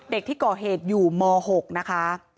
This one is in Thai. เด็กที่ก่อเหตุอยู่ม๖นะคะ